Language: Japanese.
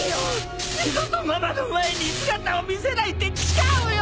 二度とママの前に姿を見せないって誓うよ！